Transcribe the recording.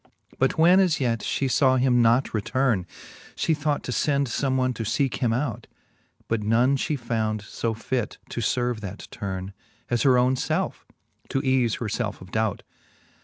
But when as yet (he (aw him not returne, She thought to fend fome one to leeke him out ; But none fhe found fo fit to lerve that turne. As her own lelfe, to eafe her (elfe of dout.